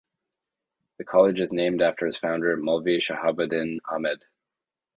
The college is named after its founder Maulvi Shahabuddin Ahmed.